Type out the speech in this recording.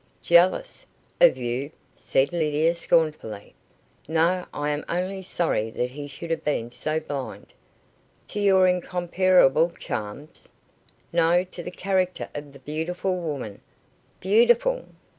"Jealous? Of you?" said Lydia, scornfully. "No; I am only sorry that he should have been so blind." "To your incomparable charms?" "No; to the character of the beautiful woman " "Beautiful?"